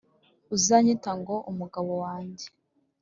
uzanyita ngo «Umugabo wanjye»,